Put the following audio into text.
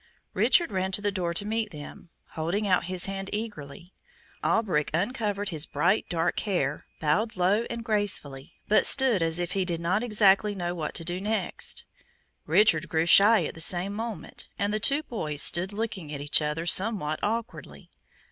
Richard ran to the door to meet them, holding out his hand eagerly. Alberic uncovered his bright dark hair, bowed low and gracefully, but stood as if he did not exactly know what to do next. Richard grew shy at the same moment, and the two boys stood looking at each other somewhat awkwardly.